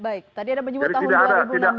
baik tadi anda menyebut tahun dua ribu enam belas